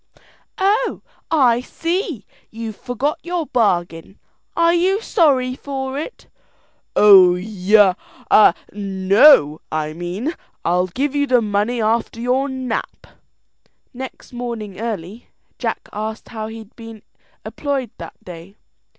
"Oh, I see, you've forgot your bargain. Are you sorry for it?" "Oh, ya no, I mean. I'll give you the money after your nap." Next morning early, Jack asked how he'd be employed that day.